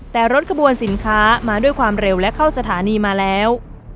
แต่รถขบวนสินค้ามาด้วยความเร็วและเข้าสถานีมาแล้ว